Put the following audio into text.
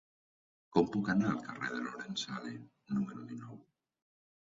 Com puc anar al carrer de Lorenzale número dinou?